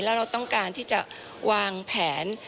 แล้วเราต้องการที่จะวางแผน